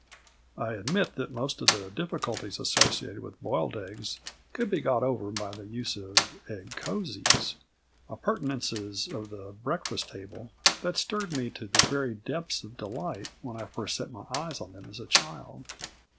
I admit that most of the difficulties associated with boiled eggs could be got over by the use of egg cosies appurtenances of the breakfast table that stirred me to the very depths of delight when I first set eyes on them as a child.